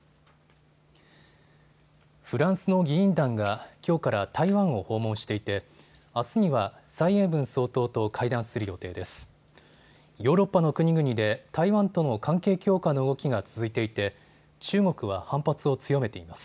フランスの議員団がきょうから台湾を訪問していてあすには蔡英文総統と会談する予定です。